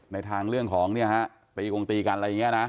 ในทางเรื่องของเนี่ยฮะตีกงตีกันอะไรอย่างนี้นะ